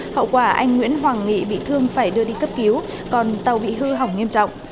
hậu quả anh nguyễn hoàng nghị bị thương phải đưa đi cấp cứu còn tàu bị hư hỏng nghiêm trọng